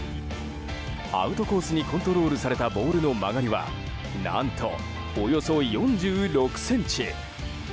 アウトコースにコントロールされたボールの曲がりは何と、およそ４６ｃｍ。